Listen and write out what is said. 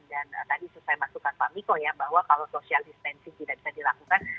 dan tadi saya masukkan pak miko ya bahwa kalau social distancing tidak bisa dilakukan